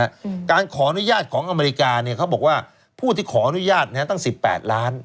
อืมการขออนุญาตของอเมริกาเนี้ยเขาบอกว่าผู้ที่ขออนุญาตเนี้ยตั้งสิบแปดล้าน